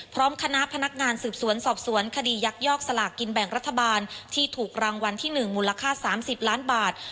พร้อมคณะพนักงานสืบสวนสอบสวนคดียักยอกสลากกินแบ่งรัฐบาลที่ถูกรางวัลที่๑มูลค่า๓๐ล้านบาท